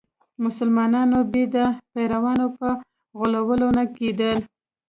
مسلمانانو یې د پیرانو په غولولو نه کېدل.